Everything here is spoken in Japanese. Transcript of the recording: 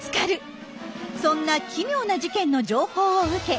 そんな奇妙な事件の情報を受け